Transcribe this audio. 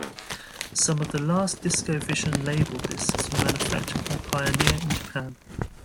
Some of the last DiscoVision label discs were manufactured by Pioneer in Japan.